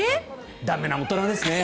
駄目な大人ですね。